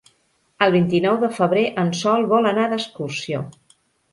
El vint-i-nou de febrer en Sol vol anar d'excursió.